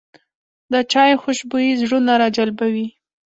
د چای خوشبويي زړونه راجلبوي